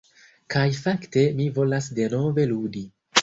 Kaj fakte, mi volas denove ludi!